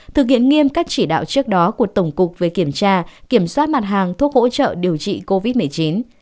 thực hiện nghiêm các chỉ đạo trước đó của tổng cục về kiểm tra kiểm soát mặt hàng thuốc hỗ trợ điều trị covid một mươi chín